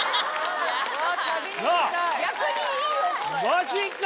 マジか！